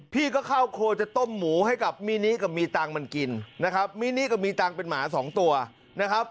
พี่ก็เข้าครัวจะต้มหมูให้กับมินิกับมีตังค์มันกินนะครับมินิก็มีตังค์เป็นหมาสองตัวนะครับ